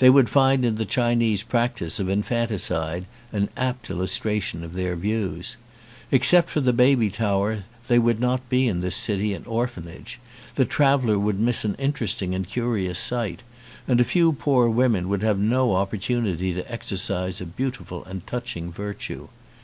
They would find in the Chinese practice of infanticide an apt illustration of their views. Ex cept for the baby tower there would not be in this city an orphanage: the traveller would miss an interesting and curious sight, and a few poor women would have no opportunity to exercise a beautiful and touching virtue.